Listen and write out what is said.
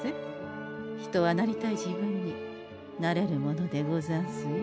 人はなりたい自分になれるものでござんすよ。